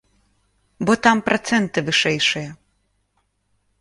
Бо там працэнты вышэйшыя.